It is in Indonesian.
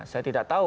saya tidak tahu